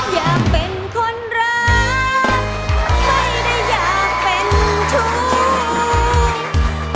อยากเป็นคนรักไม่ได้อยากเป็นชู้